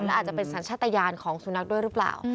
และอาจจะเป็นสัญชาติยานของสุนัขด้วยหรือเปล่า